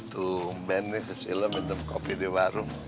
tuh ben nih sesilu minum kopi di warung